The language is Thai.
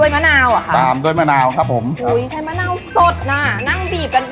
กับข้าวมันไก่เวทง